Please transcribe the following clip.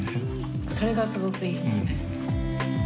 それがすごくいいのね。